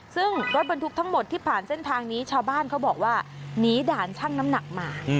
ซึ่งรถบรรทุกทั้งหมดที่ผ่านเส้นทางนี้ชาวบ้านเขาบอกว่าหนีด่านช่างน้ำหนักมา